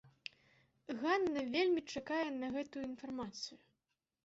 Ганна вельмі чакае на гэтую інфармацыю.